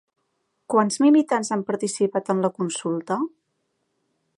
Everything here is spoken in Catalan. Quants militants han participat en la consulta?